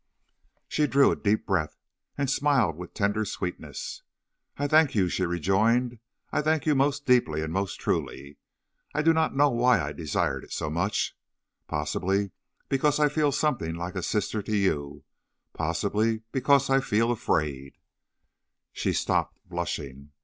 "She drew a deep breath, and smiled with tender sweetness. "'I thank you,' she rejoined. 'I thank you most deeply and most truly. I do not know why I desired it so much. Possibly because I feel something like a sister to you, possibly because I feel afraid ' "She stopped, blushing.